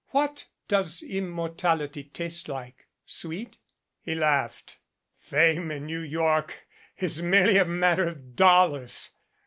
What does Immortality taste like? Sweet?" He laughed. "Fame in New York is merely a mat ter of dollars.